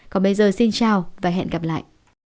còn bây giờ xin chào và hẹn gặp lại